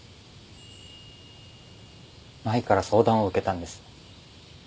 麻衣から相談を受けたんです。